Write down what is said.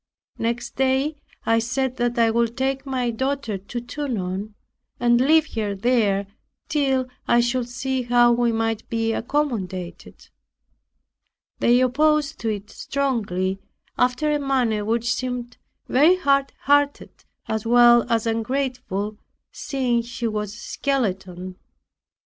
Next day I said, "I would take my daughter to Tonon, and leave her there, till I should see how we might be accommodated." They opposed it strongly, after a manner which seemed very hard hearted as well as ungrateful, seeing she was a skeleton.